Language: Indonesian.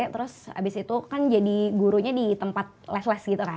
terus habis itu kan jadi gurunya di tempat less less gitu kan